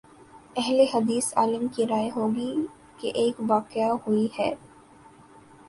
اہل حدیث عالم کی رائے ہو گی کہ ایک واقع ہوئی ہے۔